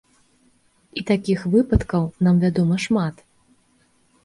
І такіх выпадкаў нам вядома шмат.